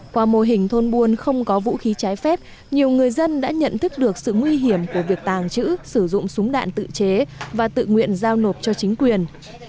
qua mô hình thôn buôn không có vũ khí trái phép nhiều người dân đã nhận thức được sự nguy hiểm của việc tàng trữ sử dụng súng đạn tự chế và tự nguyện giao nộp cho chính quyền